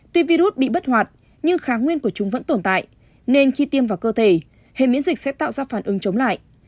tuy virus bị bất hoạt nhưng kháng nguyên của chúng vẫn tồn tại nên khi tiêm vào cơ thể hệ miễn dịch sẽ tạo ra phản ứng chống lại